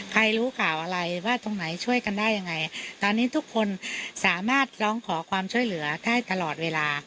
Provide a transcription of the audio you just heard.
ใครรู้ข่าวอะไรว่าตรงไหนช่วยกันได้ยังไงตอนนี้ทุกคนสามารถร้องขอความช่วยเหลือได้ตลอดเวลา